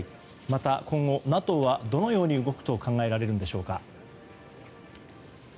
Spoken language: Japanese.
また今後ＮＡＴＯはどのように動くと考えられるのでしょうか。